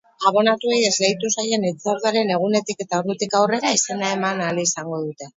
Abonatuei esleitu zaien hitzorduaren egunetik eta ordutik aurrera izena eman ahal izango dute.